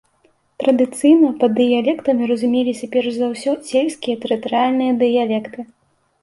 Традыцыйна пад дыялектамі разумеліся перш за ўсё сельскія тэрытарыяльныя дыялекты.